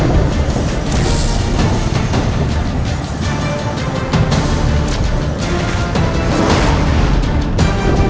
ini tidak mungkin ibu dia ibu dia